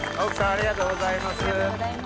ありがとうございます。